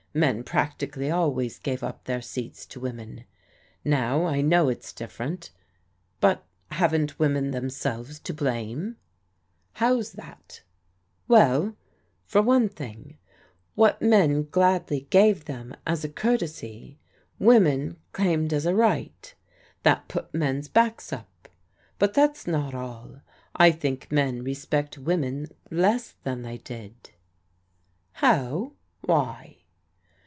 Men practically always gave up their seats to women. Now I know it's different. But haven't women them selves to blame?" "How's that?" THE SUPPEE PAETT 75 Wdl, for one thing, what men gladly gave them as a courtesy^ women claimed as a right. That put men's backs up. But that's not all. I think men respect women less than they did. "How? Why?"